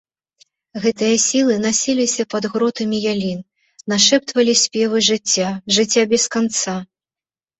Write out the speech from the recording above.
Гэтыя сілы насіліся пад гротамі ялін, нашэптвалі спевы жыцця, жыцця без канца.